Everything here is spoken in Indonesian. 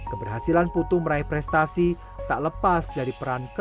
keberhasilan putu meraih prestasi tak lepas dari peran